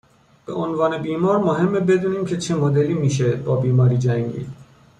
به عنوان بیمار مهمه بدونیم که چه مدلی میشه با بیماری جنگید